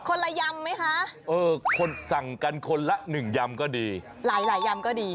คนละยำไหมคะเออคนสั่งกันคนละหนึ่งยำก็ดีหลายหลายยำก็ดี